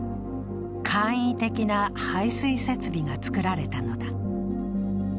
簡易的な排水設備がつくられたのだ。